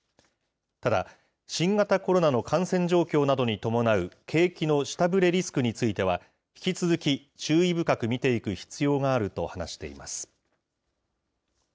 ただ、新型コロナの感染状況などに伴う景気の下振れリスクについては、引き続き注意深く見ていく必要があると話しています。